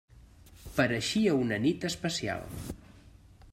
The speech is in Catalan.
Pareixia una nit especial.